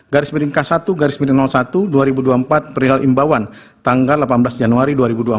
garis miring k satu garis miring satu dua ribu dua puluh empat perihal imbauan tanggal delapan belas januari dua ribu dua puluh